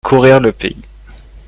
courir le pays.